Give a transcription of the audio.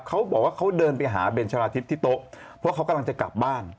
เขาบอกว่าเขาเดินไปหาเบนชะลาทิพย์ที่โต๊ะเพราะเขากำลังจะกลับบ้าน